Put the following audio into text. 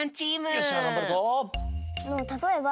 よっしゃがんばるぞ！